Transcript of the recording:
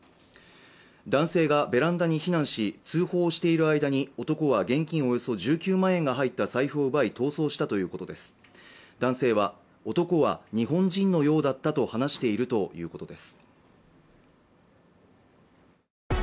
男性がベランダに避難し通報している間に男は現金およそ１９万円が入った財布を奪い逃走したということです男性は男は日本人のようだったと話しているということです